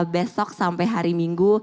besok sampai hari minggu